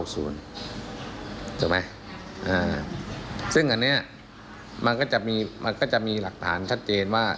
ถูกไหมซึ่งอันนี้มันก็จะมีมันก็จะมีหลักฐานชัดเจนว่า